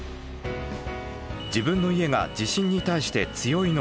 自分の家が地震に対して強いのか弱いのか。